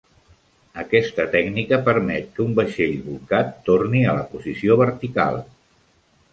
Aquesta tècnica permet que un vaixell bolcat torni a la posició vertical.